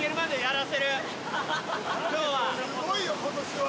すごいよ今年は。